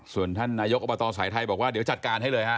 ส่วนนายกอุปตัเราะไทยบอกว่าเดี๋ยวจะจัดการให้เลยฮะ